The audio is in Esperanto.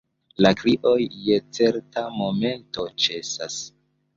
La krioj, je certa momento, ĉesas.